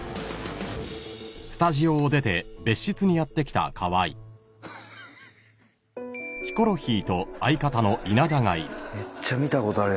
めっちゃ見たことあるやつおる。